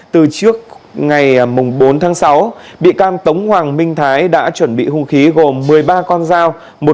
từ trước ngày bốn tháng sáu bị can tống hoàng minh thái đã chuẩn bị hung khí gồm một mươi ba con dao